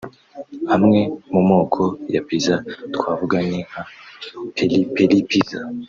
Amwe mu moko ya Pizza twavuga ni nka Peri-Peri Pizza